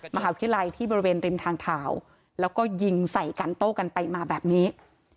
มหาวิทยาลัยที่บริเวณริมทางเท้าแล้วก็ยิงใส่กันโต้กันไปมาแบบนี้